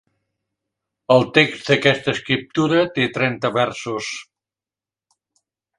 El text d'aquesta escriptura té trenta versos.